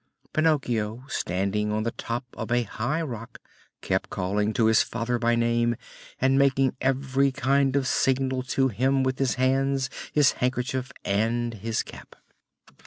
Pinocchio, standing on the top of a high rock, kept calling to his father by name, and making every kind of signal to him with his hands, his handkerchief, and his cap.